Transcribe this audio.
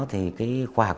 thì cái khoa học